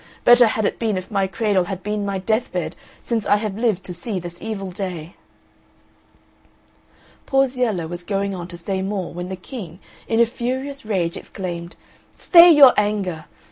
Better had it been if my cradle had been my death bed since I have lived to see this evil day." Porziella was going on to say more when the King in a furious rage exclaimed, "Stay your anger!